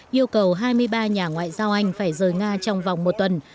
yêu cầu hai mươi ba nhà ngoại giao anh phải rời nga trong vòng một tuần